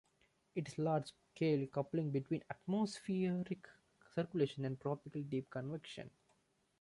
It is a large-scale coupling between atmospheric circulation and tropical deep convection.